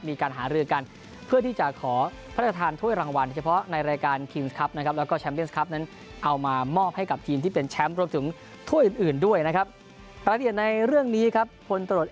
มีการหารือกันเพื่อที่จะขอพระราชทานถ้วยรางวัล